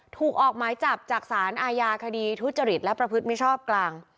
ถูกออกหมายจับจากสารอาญาคดีทุจริตและประพฤติมิชชอบกลาง